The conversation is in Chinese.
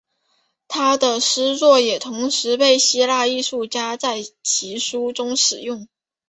他的诗作也同时被希腊艺术家在其书中使用。